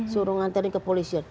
suruh nganterin ke polisi